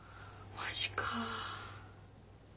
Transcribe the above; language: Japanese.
マジか。